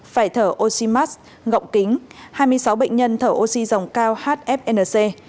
phải thở oxymas gọng kính hai mươi sáu bệnh nhân thở oxy dòng cao hfnc